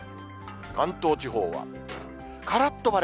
関東地方はからっと晴れ。